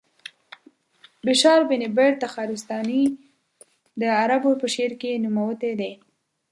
بشار بن برد تخارستاني د عربو په شعر کې نوموتی و.